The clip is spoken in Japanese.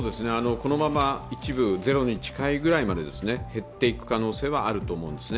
このまま一部ゼロに近いぐらいまで減っていく可能性はあると思うんですね。